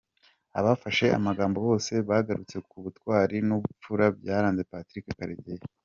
Abafashe amagambo bose bagarutse k’ubutwari n’ubupfura byaranze Patrick Karegeya.